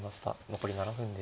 残り７分です。